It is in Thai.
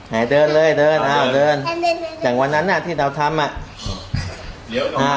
ให้เดินเลยเดินอ่าเดินจากวันนั้นอ่ะที่เราทำอ่ะ